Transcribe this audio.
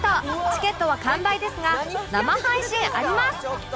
チケットは完売ですが生配信あります